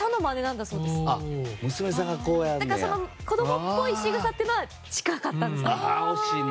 だから子供っぽいしぐさというのは近かったんです。